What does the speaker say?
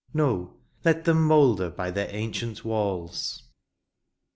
No ! let them moulder by their ancient walls.